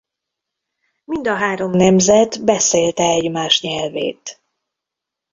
Mind a három nemzet beszélte egymás nyelvét.